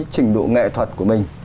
trình độ nghệ thuật của mình